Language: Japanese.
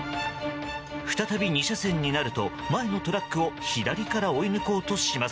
再び２車線になると前のトラックを左から追い抜こうとします。